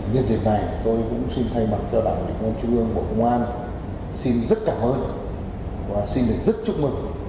nhân dân này tôi cũng xin thay mặt cho đảng lực lượng trung ương của công an xin rất cảm ơn và xin được rất chúc mừng